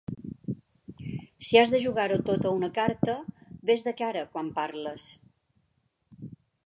Si has de jugar-t'ho a una carta, ves de cara quan parles.